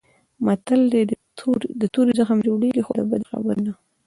متل دی: د تورې زخم جوړېږي خو د بدې خبرې نه.